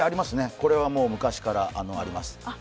これはもう、昔からあります。